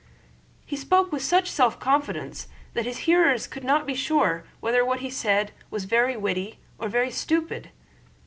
He spoke with such self confidence that his hearers could not be sure whether what he said was very witty or very stupid.